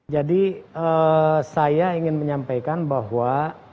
jadi saya ingin menyampaikan bahwa